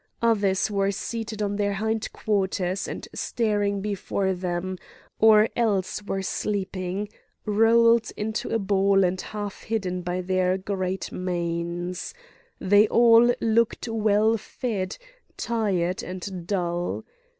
Others were seated on their hind quarters and staring before them, or else were sleeping, rolled into a ball and half hidden by their great manes; they all looked well fed, tired, and dull.